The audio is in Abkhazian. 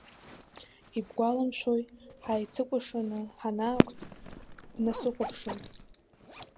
Ибгәаламшәои, ҳаицыкәашаны ҳанаақәҵ, бнасыхәаԥшын.